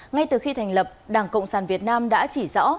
ngay từ khi thành lập đảng cộng sản việt nam đã chỉ rõ